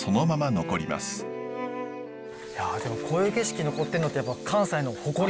いやでもこういう景色残ってるのってやっぱり関西の誇りですよね。